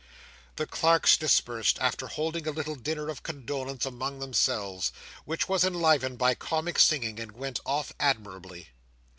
The clerks dispersed after holding a little dinner of condolence among themselves, which was enlivened by comic singing, and went off admirably.